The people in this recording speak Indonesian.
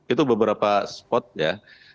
itu beberapa spot ya